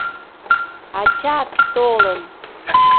«Ач-ат то-лын...